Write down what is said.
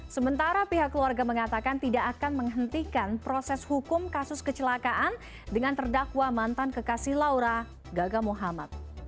sementara pihak keluarga mengatakan tidak akan menghentikan proses hukum kasus kecelakaan dengan terdakwa mantan kekasih laura gaga muhammad